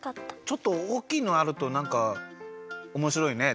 ちょっとおっきいのあるとなんかおもしろいね。